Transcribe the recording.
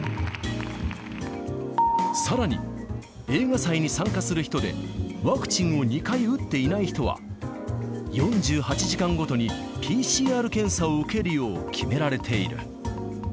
さらに、映画祭に参加する人で、ワクチンを２回打っていない人は、４８時間ごとにＰＣＲ検査を受けるよう決められている。